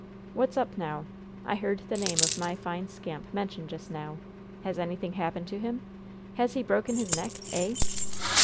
"What's up now? I heard the name of my fine scamp mentioned just now! Has anything happened to him? Has he broken his neck, eh?"